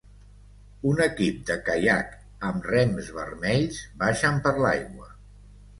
Un equip de caiac amb rems vermells baixen per l'aigua.